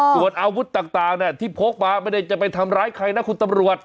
ส่วนอาวุธต่างที่พกมาไม่ได้จะไปทำร้ายใครนะคุณตำรวจ